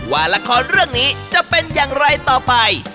ว่าละครเรื่องนี้จะเป็นอย่างไรต่อไป